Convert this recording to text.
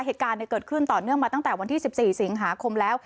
เหตุการณ์เกิดขึ้นต่อเนื่องมาตั้งแต่วันที่๑๔สิงหาคมแล้ว